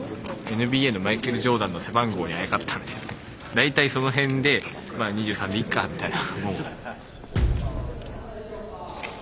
大体その辺で２３でいっかみたいな。